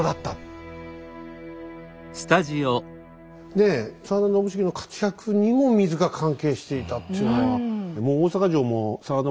ねえ真田信繁の活躍にも水が関係していたっていうのは。